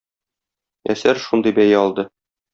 Әсәр шундый бәя алды.